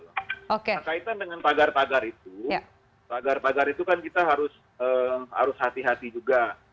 nah kaitan dengan pagar pagar itu pagar pagar itu kan kita harus hati hati juga